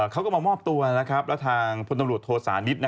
เขาก็มามอบตัวแล้วทางพลตำรวจโทษานิท